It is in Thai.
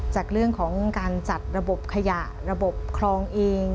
จากเรื่องของการจัดระบบขยะระบบคลองเอง